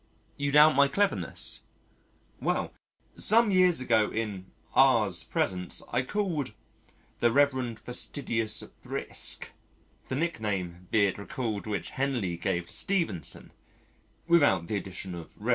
You doubt my cleverness? Well, some years ago in R 's presence I called "the Rev. Fastidious Brisk," the nickname be it recalled which Henley gave to Stevenson (without the addition of "Rev.").